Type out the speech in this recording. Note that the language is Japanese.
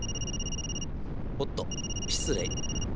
おっと失礼。